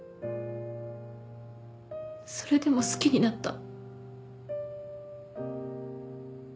それでも好きになった。